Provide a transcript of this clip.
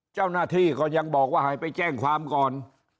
เจ้าหน้าที่ก็ยังบอกว่าให้ไปแจ้งความก่อน